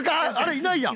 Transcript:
いないやん。